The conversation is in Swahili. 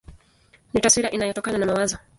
Ni taswira inayotokana na mawazo.